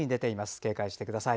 警戒してください。